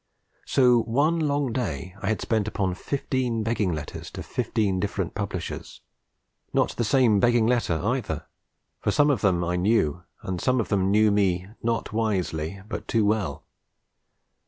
So one long day I had spent upon fifteen begging letters to fifteen different publishers not the same begging letter either, for some of them I knew and some knew me not wisely but too well.